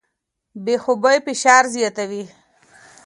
بې خوبۍ فشار زیاتوي.